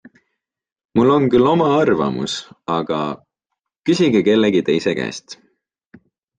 Mul on küll oma arvamus, aga ... küsige kellegi teise käest.